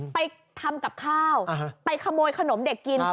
ไปทำกับข้าวไปขโมยขนมเด็กกิน